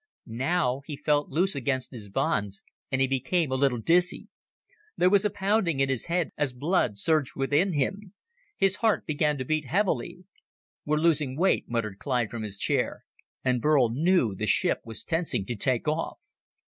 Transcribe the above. Now he felt loose against his bonds and he became a little dizzy. There was a pounding in his head as blood surged within him. His heart began to beat heavily. "We're losing weight," muttered Clyde from his chair, and Burl knew the ship was tensing to take off.